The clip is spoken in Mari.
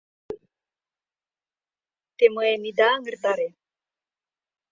— Те мыйым ида аҥыртаре..